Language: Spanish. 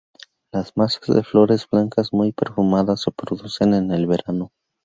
Las masas de flores blancas muy perfumadas se producen en el verano.